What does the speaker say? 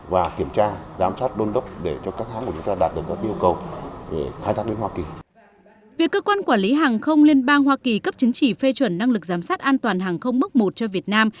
việc cơ quan quản lý hàng không liên bang hoa kỳ cấp chứng chỉ phê chuẩn năng lực giám sát an toàn hàng không mức một cho việt nam